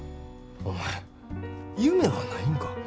お前夢はないんか？